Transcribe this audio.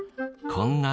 こんな